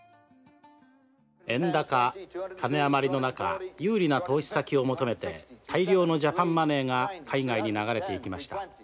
「円高金あまりの中有利な投資先を求めて大量のジャパンマネーが海外に流れていきました。